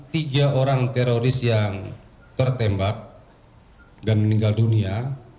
tiga orang teroris yang tertembak dan meninggal dunia